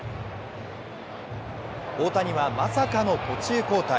大谷は、まさかの途中交代。